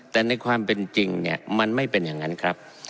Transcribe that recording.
แต่ในความเป็นจริงเนี่ยมันไม่เป็นอย่างนั้นครับ